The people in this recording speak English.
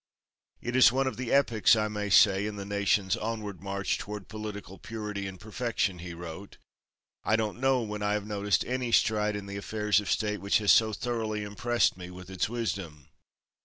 "It is one of the epochs, I may say, in the nation's onward march toward political purity and perfection," he wrote. "I don't know when I have noticed any stride in the affairs of State which has so thoroughly impressed me with its wisdom."